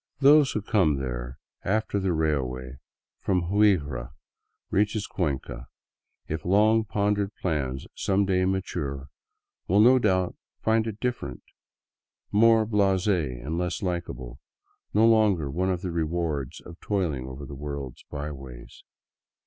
Those who come there after the railway from Huigra reaches Cuenca, if long pondered plans some day mature, will no doubt find it different, more blase and less likable, no longer one of the rewards of toiling over the world's byways.